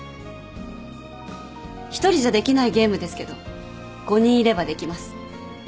１人じゃできないゲームですけど５人いればできます。